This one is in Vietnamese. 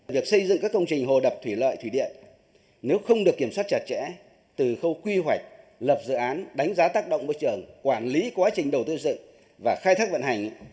việc xây dựng các công trình hồ đập thủy lợi thủy điện nếu không được kiểm soát chặt chẽ từ khâu quy hoạch lập dự án đánh giá tác động môi trường quản lý quá trình đầu tư dựng và khai thác vận hành